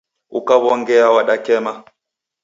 Ukaw'ongea wadakema.